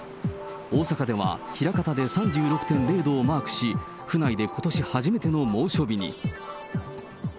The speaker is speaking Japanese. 大阪では枚方で３６．０度をマークし、府内でことし初めての猛暑日に。